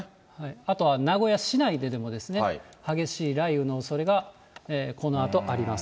あとは名古屋市内ででもですね、激しい雷雨のおそれが、このあとあります。